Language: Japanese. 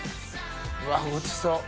うわごちそう！